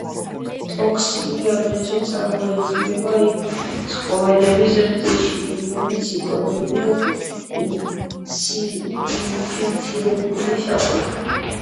ტოქსინი აგრეთვე წარმოიქმნება იმ ცხოველების რძეში, რომლებიც იკვებებიან ინფიცირებული საკვებით.